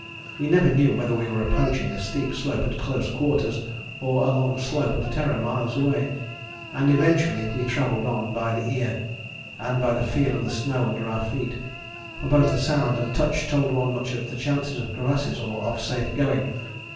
We never knew whether we were approaching a steep slope at close quarters or a long slope of Terror, miles away, and eventually we travelled on by the ear, and by the feel of the snow under our feet, for both the sound and the touch told one much of the chances of crevasses or of safe going.